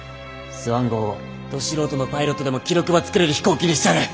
スワン号をど素人のパイロットでも記録ば作れる飛行機にしちゃる。